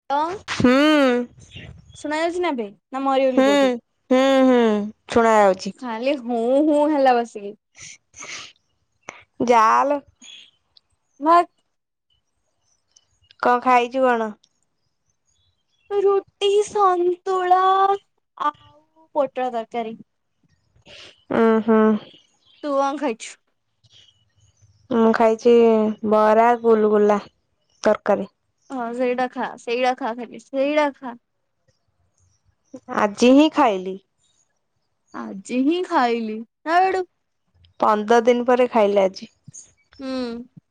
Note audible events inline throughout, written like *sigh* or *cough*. *unintelligible* ହୁଁ। ଶୁଣାଯାଉଛି ନା ବେ ନା ମରିଗଲୁ ହୁଁ କୋଉଠି? ହୁଁ ହୁଁ ଶୁଣା ଯାଉଛି ଖାଲି ହୁଁ ହୁଁ ହେଲା ବସିକି। ଯା--ଲୋ। ଭାକ୍। କଣ ଖାଇଚୁ କଣ? ରୁଟି ସନ୍ତୁଳା ଆଉ ପୋଟଳ ତରକାରୀ। ଉଁ ହୁଁ। ତୁ କନ୍ ଖାଇଚୁ? ମୁଁ ଖାଇଛି ବରା, ଗୁଲୁଗୁଲା, ତରକାରୀ। ହଁ ସେଇଡା ଖା ସେଇଡା ଖା ଖାଲି ସେଇଡା ଖା। ଆଜି ହିଁ ଖାଇଲି। ଆଜି ହିଁ ଖାଇଲି ତା ବେଡୁ ପନ୍ଦର ଦିନ ପରେ ଖାଇଲେ ଆଜି। ହୁଁ।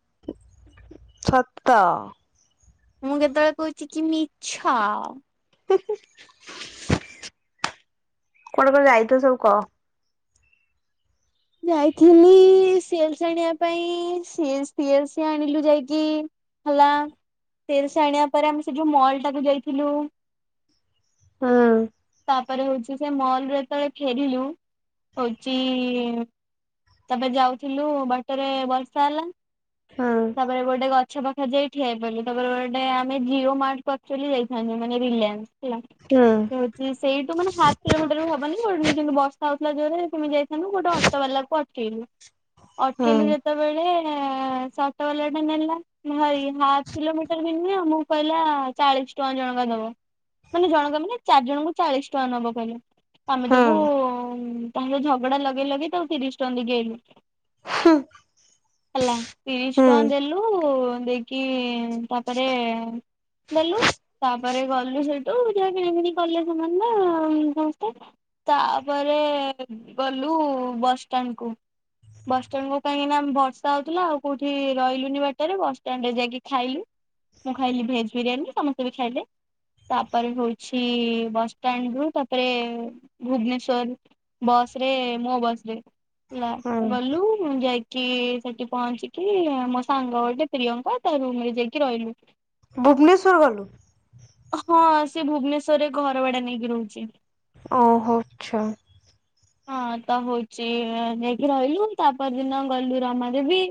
ଛତ। ମୁଁ କେତେବେଳେ କହୁଛି କି ମିଛ? ହୁଁ ହୁଁ କୁଆଡେ କୁଆଡେ ଯାଇଥଲ ସବୁ କହ? ଯାଇଥିଲି ସି ଏଲ ସି ଆଣିବା ପାଇଁ ସି ଏଲ ସି ଆଣିଲୁ ଯାଇକି ହେଲା ସି ଏଲ ସି ଆଣିବା ପରେ ଆମେ ସେ ଯୋଉ ମଲ୍ ଟାକୁ ଯାଇଥିଲୁ। ହୁଁ। ତାପରେ ହଉଛି ସେ ମଲରୁ ଯେତେଳେ ଫେରିଲୁ ହଉଛି ତାପରେ ଯାଉଥିଲୁ ବାଟରେ ବର୍ଷା ହେଲା। ହୁଁ ତାପରେ ଗୋଟେ ଗଛ ପାଖେ ଯାଇ ଠିଆ ହେଇପଡିଲୁ ତାପରେ ଗୋଟେ ଆମେ ଜିଓ ମାର୍ଟକୁ ଅକଚୁଆଲି ଯାଇଥାନ୍ତୁ ମାନେ ରିଲିଆନ୍ସ। ହେଲା। ହୁଁ। ହଉଛି ସେଇଠୁ ମାନେ ହାପ୍ କିଲୋମିଟର ହବନି କିନ୍ତୁ ବର୍ଷା ହଉଥିଲା ଜୋରରେ କେମିତି ଯାଇଥାନ୍ତୁ ଗୋଟେ ଅଟ ଅଟୋ ବାଲାକୁ ଅଟକେଇଲୁ। ହୁଁ ଅଟକେଇଲୁ ଯେତେବେଳେ ଏଁ ସେ ଅଟୋ ବାଲାଟା ନେଲା। ଭାଇ ହାଫ୍ କିଲୋମିଟର ବି ନୁହଁ ମୁଁ କହିଲା ଚାଳିଶ ଟଙ୍କା ଜଣକା ଦବ। ମାନେ ଜଣଙ୍କା ମାନେ ଚାରି ଜଣଙ୍କୁ ଚାଳିଶ ଟଙ୍କା ନବ କହିଲେ। ତମେ ହୁଁ ତାକୁ ତାହାର ଝଗଡା ଲଗେଇ ଲଗେଇ ତାକୁ ତିରିଶି ଟଙ୍କା ଦେଇକି ଆଇଲୁ। ହେଲା ତିରିଶ ହୁଁ ଟଙ୍କା ଦେଲୁ ଦେଇକି ତାପରେ ଦେଲୁ ତାପରେ ଗଲୁ ସେଇଠୁ ଯାହା କିଣି କିଣି କଲେ ସେମାନେ ଆ ସମସ୍ତେ ତାପରେ ଗଲୁ ବସ୍ ଷ୍ଟାଣ୍ଡକୁ ବସ୍ ଷ୍ଟାଣ୍ଡକୁ କାହିଁକିନା ବର୍ଷା ହଉଥିଲା ଆଉ କୋଉଠି ରହିଲୁନି ବାଟରେ ବସଷ୍ଟାଣ୍ଡରେ ଯାଇକି ଖାଇଲୁ ମୁଁ ଖାଇଲି ଭେଜ ବିରିୟାନୀ ସମସ୍ତେ ବି ଖାଇଲେ। ତାପରେ ହଉଛି ବସ ଷ୍ଟାଣ୍ଡ ରୁ ତାପରେ ଭୁବନେଶ୍ଵର। ବସରେ ମୋ ବସରେ ହେଲା ହୁଁ। ଗଲୁ ମୁଁ ଯାଇକି କି ସେଠି ପହଞ୍ଚିକି ମୋ ସାଙ୍ଗ ଗୋଟେ ପ୍ରିୟଙ୍କା ତା ରୁମରେ ଯାଇକି ରହିଲୁ। ଭୁବନେଶ୍ୱର ଗଲୁ। ହଁ ସିଏ ଭୁବନେଶ୍ଵରରେ ଘର ଭଡା ନେଇକି ରହୁଛି। ଓହୋ ଆଚ୍ଛା। ହଁ ତ ହଉ। ସିଏ ଯାଇକି ରହିଲୁ ତାପର ଦିନ ଗଲୁ ରମାଦେବୀ।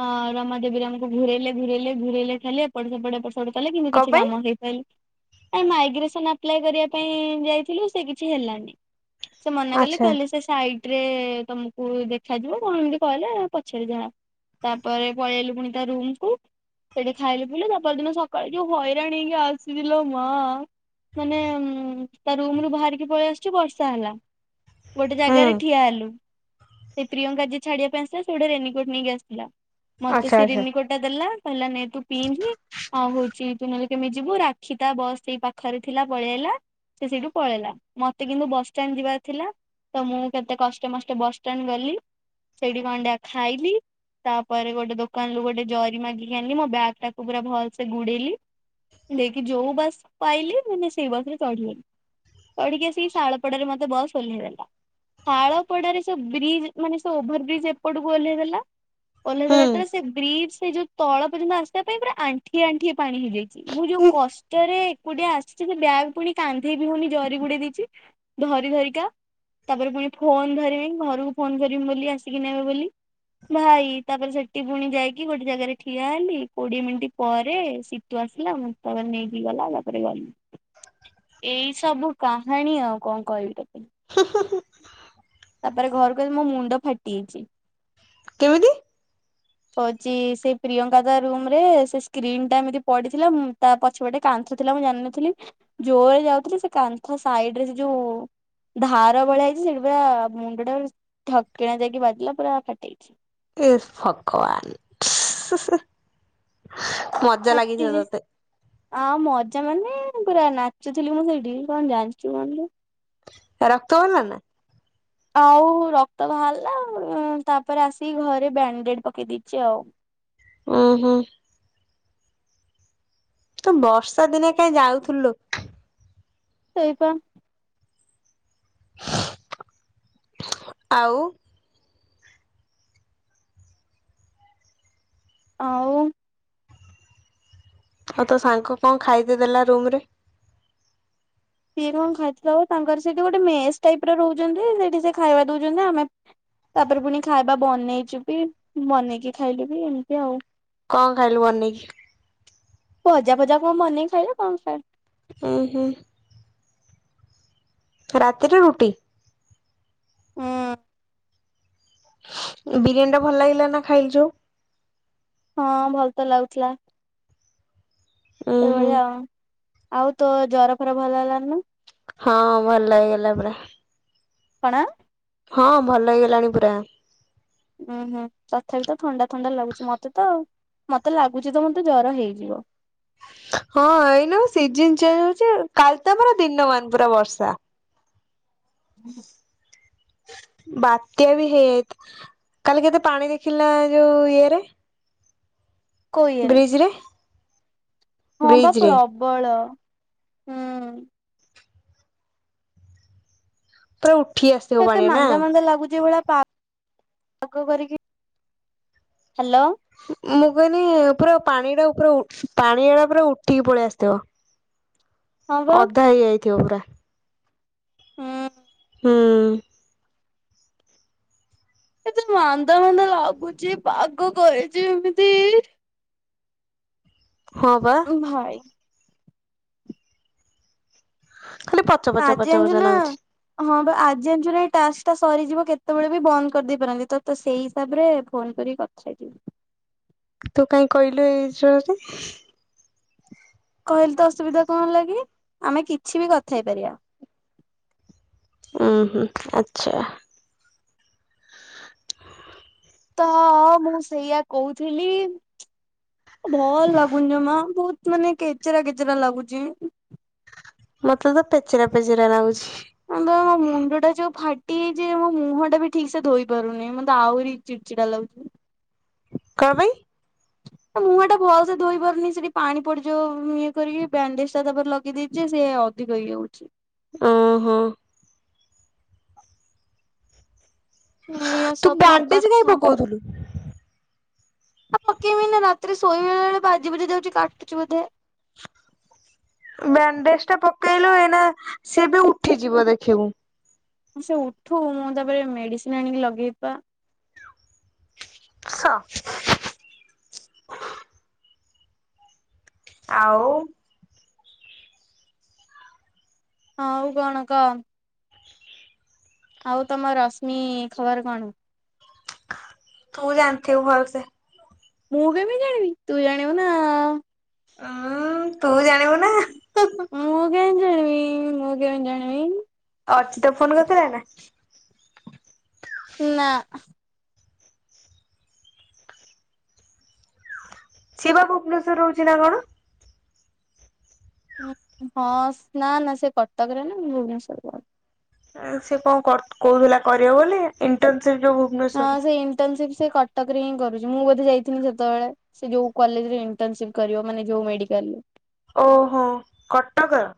ଅ ରମାଦେବୀରେ ଆମକୁ ଘୁରେଇଲେ ଘୁରେଇଲେ ଘୁରେଇଲେ ଖାଲି ଏପଟ ସେପଟ କଲେ କିନ୍ତୁ କଣ କିଛି ପାଇଁ? କାମ ହେଇ କାଲି ଏ ମାଇଗ୍ରେସନ ଆପ୍ଲାଏ କରିବା ପାଇଁ ଯାଇଥିଲୁ ସେ କିଛି ହେଲାନି। ସେ ମନା କଲେ ଆଚ୍ଛା କହିଲେ ସେ ସାଇଟରେ ତମକୁ ଦେଖାଯିବ କଣ ଏମିତି କହିଲେ ପଚେର ଯାହା। ତାପରେ ପଳେଇଲୁ ପୁଣି ତା ରୁମକୁୁ। ସେଠି ଖାଇଲେ ପିଇଲେ ତା ପରଦିନ ସକାଳେ ଯୋଉ ହଇରାଣ ହେଇକି ଆସିଲିଲୋ ମା। ମାନେ ଉଁ ତା ରୁମରୁ ବାହାରିକି ପଳେଇ ଆସୁଛି ବର୍ଷା ହେଲା ଗୋଟେ ହୁଁ ଜାଗାରେ ଠିଆ ହେଲୁ। ସେ ପ୍ରିୟଙ୍କା ଯିଏ ଛାଡିବା ପାଇଁ ଆସିଲା ସେ ଗୋଟେ ରେନିକୋଟ ନେଇକି ଆସିଥିଲା ମତେ ଆଚ୍ଛା ସେ ଆଚ୍ଛା ରେନିକୋଟ ଟା ଦେଲା କହିଲା ନେ ତୁ ପିନ୍ଧ୍। ଆଉ ହଉଛି ତୁ ନହେଲେ କେମି ଯିବୁ ରାକ୍ଷୀତା ବସ୍ ସେଇ ପାଖରେ ଥିଲା ପଳେଇ ଆଇଲା। ସେ ସେଇଠୁ ପଳେଇଲା ମୋତେ କିନ୍ତୁ ବସଷ୍ଟାଣ୍ଡ ଯିବାର ଥିଲା ତ ମୁଁ କେତେ କଷ୍ଟେ ମଷ୍ଟେ ବସଷ୍ଟାଣ୍ଡ ଗଲି ସେଇଠି କଣ ଟା ଖାଇଲି ତାପରେ ଗୋଟେ ଦୋକାନରୁୁ ଗୋଟେ ଜରି ମାଗିକି ଆଣି ମୋ ବ୍ୟାଗ୍ ଟାକୁ ପୁରା ଭଲସେ ଗୁଡେଇଲି ଦେଇକି ଯୋଉ ବସ ପାଇଲି ମାନେ ସେଇ ବସ୍ ରେ ଚଢିଲି ଅଢିକି ଆସିକି ଶାଳପଡାରେ ମୋତେ ବସ୍ ଓହ୍ଲାଇ ଦେଲା ଶାଳପଡାରେ ସବ ବ୍ରିଜ ମାନେ ସ ଓଭର ବ୍ରିଜ୍ ଏପଟକୁ ଓହ୍ଲେଇ ଦେଲା ଓହ୍ଲେଇ ଦେଲା ହୁଁ ସେ ବ୍ରିଜ୍ ସେ ଯୋଉ ତଳ ପର୍ଯ୍ୟନ୍ତ ଆସିବା ପାଇଁ ପୁରା ଆଣ୍ଠିଏ ଆଣ୍ଠିଏ ପାଣି ହେଇଯାଇଛି ମୁଁ ଯୋଉ କଷ୍ଟରେ ଏକୁଟିଆ ଆସିଛି ସେ ବ୍ୟାଗ୍ ପୁଣି କାନ୍ଧେଇ ବିି ହଉନି ଜରି ଗୁଡେଇ ଦେଇଛି ଧରି ଧରିକା ତାପରେ ପୁଣି- ଫୋନ ଧରିିବି ଘରକୁ ଫୋନ କରିିମି ବୋଲି ଆସିକି ନେବେ ବୋଲି ଭାଇ ତାପରେ ସେଠି ପୁଣି ଯାଇକି ଗୋଟେ ଜାଗାରେ ଠିଆ ହେଲି କୋଡିଏ ମିନିଟ୍ ପରେ ସେ ଆସିଲା ମୁ ତାପରେ ନେଇକି ଗଲା ତା ପରେ ଗଲି ଏଇ ସବୁ କାହାଣୀ ଆଉ କଣ କହିବି ତୋତେ ହୁଁ ହୁଁ ହୁଁ ତାପରେ ଘରକୁ ଆସି ମୋ ମୁଣ୍ଡ ଫାଟି ଯାଇଛି କେମିତି? ହଉଛି ସେଇ ପ୍ରିୟଙ୍କା ତା ରୁମରେ ସେ ସ୍କ୍ରିନ୍ ଟା ଏମିତି ପଡିଥିଲା ତା ପଛପଟେ କାନ୍ଥ ଥିଲା ମୁଁ ଜାଣି ନଥିଲି ଜୋରରେ ଯାଉଥିଲି ସେ କାନ୍ଥ ସାଇଡରେ ସେ ଯୋଉ- ଧାର ଭଳିଆ ହେଇଛି ସେଠି ପୁରା ମୁଣ୍ଡଟା ଠକ୍ କିନା ଯାଇକି ବାଜିଲା ପୁରା ଫାଟି ଯାଇଛି ଏ ଭଗବାନ ହୁଁ ହୁଁ ଫାଟିଛି ତତେ ଆଉ ମଜା ମାନେ ପୁରା ନାଚୁଥିଲି ମୁଁ ସେଇଠି କଣ ଜାଣିଚୁ କଣ ଯେ ରକ୍ତ ବାହାରିଲା ଆଉ ରକ୍ତ ବାହାରିଲା ତାପରେ ଆସିକି ଘରେ ବ୍ୟାଣ୍ଡେଡ ପକେଇ ଦେଇଛି ଆଉ ଉହୁଁ ତୁ ବର୍ଷା ଦିନେ କାହିଁ ଯାଉଥିଲୁ ଲ? ସେଇପା ଆଉ ଆଉ ଆଉ ତୋ ସାଙ୍ଗ କଣ ଖାଇତେ ଦେଲା ରୁମ ରେ? ସିଏ କଣ ଖାଇତେ ଦେବ ତାଙ୍କର ସେଠି ଗୋଟେ ମେସ୍ ଟାଇପ ରହୁଛନ୍ତି ସେଠି ସେ ଖାଇବା ଦଉଛନ୍ତି ଆମେ ତାପରେ ପୁଣି ଖାଇବା ବନେଇ ଯିବି ବନେଇକି ଖାଇଲୁ ବି ଏମିତି ଆଉ କଣ ଖାଇଲୁ ବନେଇକି? ଭଜା ଫଜା କଣ ବନେଇ ଖାଇବା କଣ ଖାଇ- ହୁଁ ହୁଁ ରାତିରେ ରୁଟି ବିରିୟାନୀ ଟା ଭଲ ଲାଗିଲା ନା ଖାଇଲୁ ଯୋଉ ହଁ ଭଲ ତ ଲାଗୁଥିଲା ଉୁଁ ହୁଁ ସେଭଳିଆ ଆଉ ଆଉ ତୋ ଜର ଫର ଭଲ ହେଲାନି ନା? ହଁ ଭଲ ହୋଇଗଲା ପୁରା କଣ? ହଁ ଭଲ ହେଇଗଲାଣି ପୁରା ହୁଁ ହୁଁ ତଥାପି ତ ଥଣ୍ଡା ଥଣ୍ଡା ଲାଗୁଛି ମୋତେ ତ ମୋତେ ଲାଗୁଛି ତ ମୋତେ ଜର ହେଇଯିବ ହଁ ଏଇନା ସିଜିନ ଚେଞ୍ଜ ହଉଛି କାଲି ତ ଆମର ଦିନମାନ ପୁରା ବର୍ଷା *inaudible* ବାତ୍ୟା ବି ହେଇଯାଇ କାଲି କେତେ ପାଣି ଦେଖିଲୁ ନା ଯୋଉ ଇଏରେ କୋଉ ଇଏରେ ବ୍ରିଜରେ ହଁ ବା ପ୍ରବଳ ହୁଁ ପୁରା ଉଠି ଆସି - କେତେ ମାନ୍ଦାମାନ୍ଦା ଲାଗୁଛି ଏଇ ଭଳିଆ ପା - ହ୍ୟାଲୋ! ମୁଁ, କହନି ପୁରା ପାଣି ଟା ପୁରା ଉ ପାଣି ଅଡା ପୁରା ଉଠିକି ପଳେଇ ଆସିଥିବ। ହଁ ବା ଅଧା ହେଇଆଇଥିବ ପୁରା। ହୁଁ। ହୁଁ। ଏତେ ମାନ୍ଦା ମାନ୍ଦା ଲାଗୁଛି, ପାଗ କରିଛି ଏମିତି! ହଁ, ପା। ଓ ଭାଇ! ଖାଲି ପଚ ପଚ ଆଜି ପଚ ପଚ ଜାଣିଚୁନା! ନାଗୁଛି। ହଁ, ବା ଆଜି ଜଣିଚୁନା ଏଇ ଟାସ୍କଟା ସରିଯିବ। କେତେବେଳେ ବି ବନ୍ଦ କରିଦେଇ ପାରନ୍ତି। ତ, ତ ସେଇ ହିସାବରେ ଫୋନ୍ କରିକି କଥା ହେଇ ଯିବି। ତୁ କାଇଁ କହିଲୁ ଏଇ ଛୁଆଟି? କହିଲି ତ ଅସୁବିଧା କଣ ହେଲା କିି? ଆମେ କିଛି ବି କଥ ହେଇପାରିବା। ଉ ହୁଁ ଆଚ୍ଛା। ହ ତ-ଅ, ମୁଁ ସେଇଆ କହୁଥିଲି। ଭଲ ଲାଗୁନି ଯମା। ବହୁତ ମାନେ, କେଚରା କେଚେରା ଲାଗୁଚି। ମତେ ତ, ପେଚେରା ପେଚେରା ଲାଗୁଛି। ମୁଁ ତ ମୋ ମୁଣ୍ଡ ଟା ଯୋଉ ଫାଟି ଯାଇଛି, ମୋ ମୁହଁ ଟା ବି ଠିକ୍ ସେ ଧୋଇ ପାରୁନି। ମତେ ଆହୁରି ଚିଡ଼୍ ଚିଡ଼ା ଲାଗୁଛି। କଣ ପାଇଁ? ମୁହଁ ଟା ଭଲ ସେ ଧୋଇ ପାରୁନି ସେଠି ପାଣି ପଡିଯିବ। ଇଏ କରିକି ବ୍ୟାଣ୍ଡେଜ ଟା ତା'ପରେ ଲଗେଇ ଦେଇଛି। ଯେ ସେ ଅ ଅଧିକ ହେଇ ଯାଉଛି। ଓ ହୋ! ହୁଁ, ସବୁ କଥା। ବୁଝୁଲୁ। ପକେଇବି ନା ରାତିରେ ଶୋଇଲା ବେଳେ, ବାଜି ବୁଜା ଯାଉଛି କାଟୁଛି ବୋଧେ! ବ୍ୟାଣ୍ଡେଜ ଟା ପକେଇଲୁ ଏଇନା, ସେଏବି ଉଠିଯିବ ଦେଖିବୁ! ସେ ଉଠୁ ମୁଁ ତା'ପରେ ମେଡିସିନ ଆଣିକି ଲଗେଇବି ପା। ସ, ଆଉ। ଆଉ କଣ କ? ଆଉ ତମ ରଶ୍ମି ଖବର କଣ? ତୁ ଜାଣିଥିବୁ ଭଲ୍ ସେ। ମୁଁ କେମିତି ଜାଣିବି? ତୁ ଜାଣିବୁ ନା ଉୁଁ-ଉଁ ତୁ ଜାଣିବୁ ନା। ମୁଁ, କାଇଁ ଜାଣିବି! ମୁଁ, କେମିତି ଜାଣିମି? ଅର୍ଚିତ ଫୋନ୍ କରିଥିଲା ନା? ନାଁ। ସିଏବା, ଭୁବନେଶ୍ଵର ରହୁଛି ନା କଣ? ହଁ, ସ୍ ନା, ନା ସେ କଟକରେ ନା ଭୁବନେଶ୍ୱରର ସେ କଣ କରୁ କହୁଥିଲା କରିବ ବୋଲି, ଇଣ୍ଟର୍ନସିପ ଯୋଉ ଭୁ ହଁ, ସେ ଇଣ୍ଟର୍ନସିପ ସେ କଟକରେ ହିଁ କରୁଛି। ମୁଁ ବୋଧେ ଯାଇଥିନି ସେତେବେଳେ। ସେ ଯୋଉ କଲେଜରେ ଇଣ୍ଟର୍ନସିପ କରିବ। ମାନେ ଯୋଉ ମେଡିକାଲ୍ ରେ ଓହୋ! କଟକର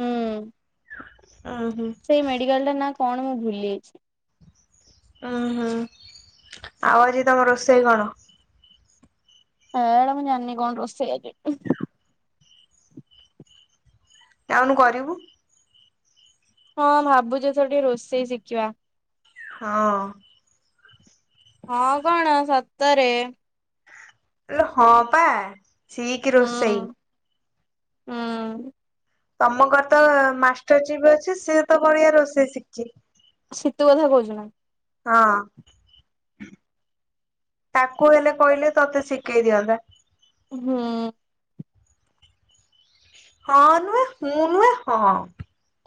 ହୁଁ। ହୁଁ। ସେଇ ମେଡିକାଲ୍ ଟା ନା କଣ? ମୁଁ ଭୁଲି ଯାଇଛି। ଉୁଁ ହୁଁ, ଆଉ, ଆଜି ତମ ରୋଷେଇ କଣ? ଏ ଏଇଟା ମୁଁ, ଜାଣିନି କଣ ରୋଷେଇ ଆଜି? ଯାଉନୁ କରିବୁ। ହଁ, ଭାବୁଚି ଏଥର ଟିକେ ରୋଷେଇ ଶିଖିବା ହଁଅଁ। ହଁ କଣ ସତରେ। ଆଲୋ ହଁ ପା ସିକ ହୁଁ ରୋଷେଇ। ହୁଁ ତମ ଘର ତ ମାଷ୍ଟର ଚିପ ଅଛି ସିଏ ତ ବଢିଆ ରୋଷେଇ ଶିଖିଚି। ଶୀତୁ କଥା କହୁଛୁ ନା? ହଁ ଅଁ। ତାକୁ ହେଲେ କହିଲେ ତତେ ଶିକେଇ ଦିଅନ୍ତା। ହୁଁ ଉଁ। ହଁ ନୁହେଁ ହୁଁ ନୁହେଁ ହଁ।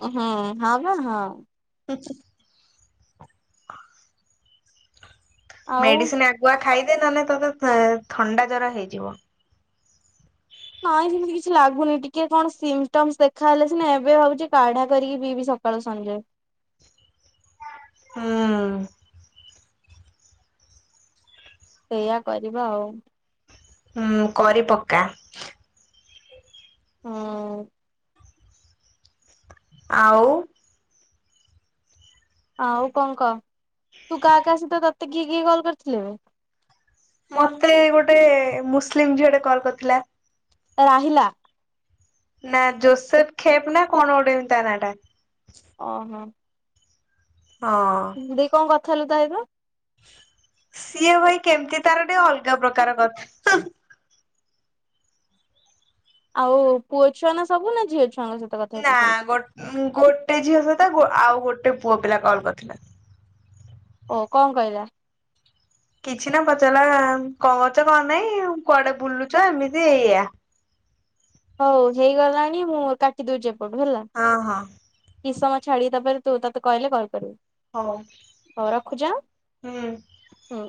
ହଁ ହଁ ବା ହଁ। କିଛି। ଆଉ ମେଡିସିନ ଆଗୁଆ ଖାଇଦେ ନହେଲେ ତତେ ଥଣ୍ଡା ଜର ହେଇଯିବ। ନାଇଁ ସେମିତି କିଛି ଲାଗୁନି ଟିକେ କଣ ସିମ୍ ଟମ୍ସ୍ ଦେଖାହଲେ ସିନା ଏବେ ଭାବୁଛି କାଢା କରିକି ପିଇବି। କଲ ସଞ୍ଜୟେ। ହୁଁଉଁ। ସେଇଆ କରିବା ଆଉ। ହୁଁ କରି ପକ୍କା। ହୁଁ ଉଁ। ଆଉ। ଆଉ କଣ କହ ତୁ କାହା କାହା ସହିତ ତତେ କିଏ କିଏ କିଏ କଲ୍ କରିଥିଲେ ବେ। ମତେ ଗୋଟେ ମୁସଲିମ ଝିଅଟେ କଲ୍ କରିଥିଲା। କଣ କହିଲା। ନା ଜୋସେଫ ଖେପ୍ ନା କଣ ଗୋଟେ ଇମିତି ତା ନା ଟା। ଓହୋ। ହଁଅଁ। ଦି କଣ କଥା ହେଲୁ ତାସହିତ। ସିଏ ଭାଇ କେମିତି ତାର ଟିକେ ଅଲଗା ପ୍ରକାର କଥା। ଆଉ ପୁଅ ଛୁଆ ନା ସବୁ ନା ଝିଅ ଛୁଆଙ୍କ ସବୁ। ନା ଗୋଟେ ଝିଅ ସହିତ ଆଉ ଗୋଟେ ପୁଅ ପିଲା କଲ କରିଥିଲା। ଓ କଣ କହିଲା। କିଛି ନା ପଚାରିଲା କଣ କରୁଛ କଣ ନାଇଁ କୁଆଡେ ବୁଲୁଛ ଏମିତି ଏଇଆ। ହଉ ହେଇଗଲାଣି ମୁଁ କାଟି ଦଉଛି ଏପଟୁ ହେଲା। ହଁ ହଁ। କିଛି ସମୟ ଛାଡିକି ତାପରେ ତୁ ତତେ କହିଲେ କଲ୍ କରିବୁ। ହଉ ହଉ ରଖୁଛି ଆଁ ହୁଁ। ହୁଁ।